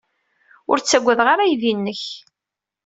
Ur ttaggadeɣ ara aydi-nnek.